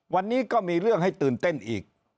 วันนี้ก็มีเรื่องให้ตื่นเต้นอีก